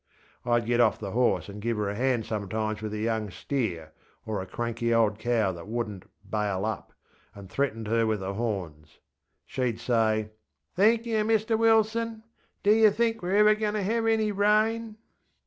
IŌĆÖd get off the horse and give her a hand sometimes with a young steer, or a cranky old cow that wouldnŌĆÖt ŌĆśbail upŌĆÖ and threatened her with her horns. SheŌĆÖd sayŌĆö ŌĆśThenk yer, Mr Wilson. Do yer think weŌĆÖre ever goinŌĆÖ to have any rain?